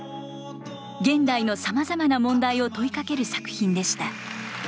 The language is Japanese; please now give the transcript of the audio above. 現代のさまざまな問題を問いかける作品でした。